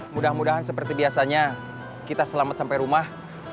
mudah mudahan seperti biasanya kita selamat sampai rumah